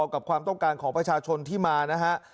กับความต้องการของประชาชนที่มานะฮะ